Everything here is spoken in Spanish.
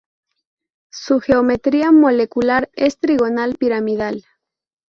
Su geometría molecular es trigonal piramidal.